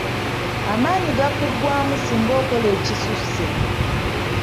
Amaanyi gakuggwaamu singa okola ekisusse.